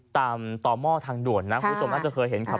ตามต่อหม้อทางด่วนนะคุณผู้ชมน่าจะเคยเห็นขับ